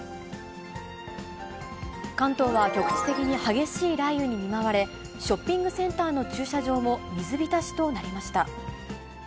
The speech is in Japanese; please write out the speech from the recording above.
関東は局地的に激しい雷雨に見舞われ、ショッピングセンターの駐車場も水浸しとなりました。